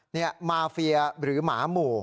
นี่มาเฟียหรือหมาหมู่